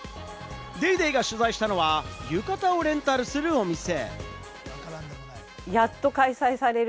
『ＤａｙＤａｙ．』が取材したのは、浴衣をレンタルするお店。